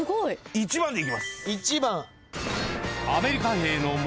１番でいきます。